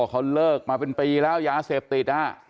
อ่าเขาบอกเลิกมาเป็นปีแล้วยาเสพติดนะครับ